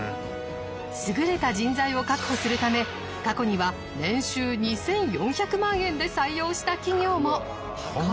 優れた人材を確保するため過去には年収２，４００万円で採用した企業も。